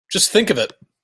Just think of it!